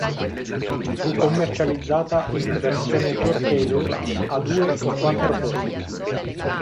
Fu commercializzata in versione torpedo a due o quattro posti.